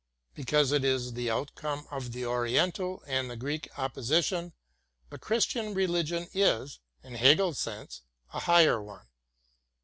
Because it is the outcome of the Oriental and Greek opposition, the Christian religion is, in Hegel's sense, a higher one.